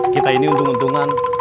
kita ini untung untungan